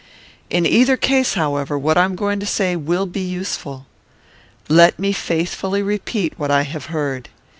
In either case, however, what I am going to say will be useful. Let me faithfully repeat what I have heard.